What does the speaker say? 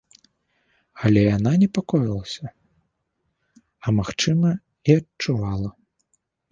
Але яна непакоілася, а, магчыма, і адчувала.